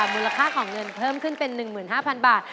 มูลค่าของเงินเพิ่มขึ้นเป็น๑๕๐๐๐บาท